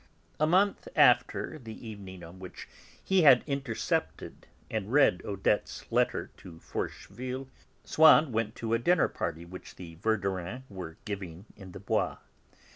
A month after the evening on which he had intercepted and read Odette's letter to Forcheville, Swann went to a dinner which the Verdurins were giving in the Bois.